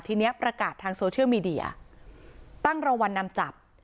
ทีนี้ประกาศทางโซเชียลมีเดียตั้งรางวัลนำจับ